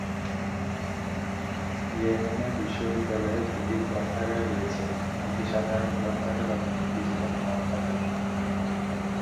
Yemen বিশ্ববিদ্যালয়ে দুইটি গ্রন্থাগার রয়েছে, একটি সাধারণ গ্রন্থাগার অপরটি ডিজিটাল গ্রন্থাগার।